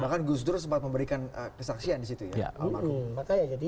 bahkan gus dur sempat memberikan kesaksian disitu ya